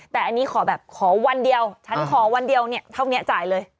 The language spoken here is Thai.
แต่อันนี้ขอแบบขอวันเดียวฉันขอวันเดียวเนี่ยเท่านี้จ่ายเลย